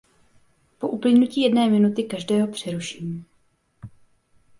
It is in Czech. Po uplynutí jedné minuty každého přeruším.